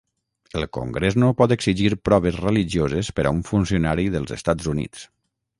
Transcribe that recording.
El congrés no pot exigir proves religioses per a un funcionari dels Estats Units.